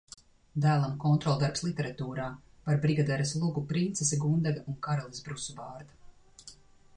Dēlam kontroldarbs literatūrā. Par Brigaderes lugu "Princese Gundega un karalis Brusubārda".